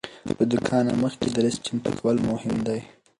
له دوکانه مخکې د لیست چمتو کول مهم دی.